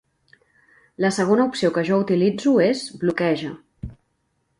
La segona opció que jo utilitzo és Bloqueja.